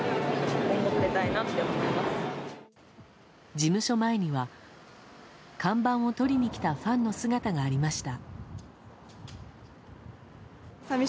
事務所前には看板を撮りに来たファンの姿がありました。